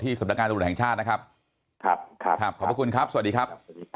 ที่สำนักงานสมุดแห่งชาตินะครับขอบคุณครับสวัสดีครับ